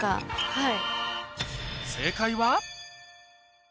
はい。